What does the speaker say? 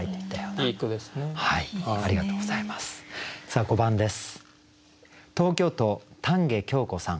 さあ５番です。